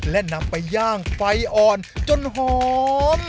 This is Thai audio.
และนำไปย่างไฟอ่อนจนหอม